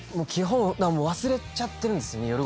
基本忘れちゃってるんですよね